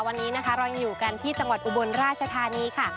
วันนี้นะคะเรายังอยู่กันที่จังหวัดอุบลราชธานีค่ะ